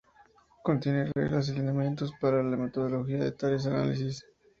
Contiene reglas y lineamientos para la metodología de tales análisis.